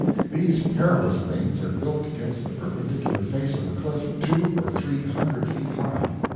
These perilous things are built against the perpendicular face of a cliff two or three hundred feet high.